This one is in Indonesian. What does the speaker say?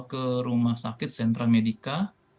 ke rumah sakit sentra medica